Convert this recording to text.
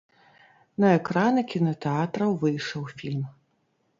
На экраны кінатэатраў выйшаў фільм.